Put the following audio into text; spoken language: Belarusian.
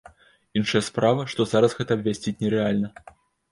Іншая справа, што зараз гэта абвясціць нерэальна.